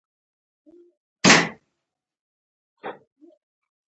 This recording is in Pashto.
هلته ټول برابر دي، نه امیر نه فقیر.